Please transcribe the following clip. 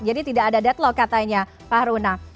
jadi tidak ada deadlock katanya pak runa